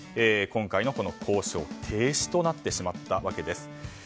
今回のこの交渉、停止となってしまったわけです。